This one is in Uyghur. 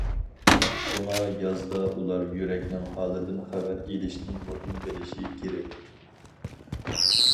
شۇڭا يازدا ئۇلار يۈرەكنىڭ ھالىدىن خەۋەر ئېلىشنى مۇھىم بىلىشى كېرەك.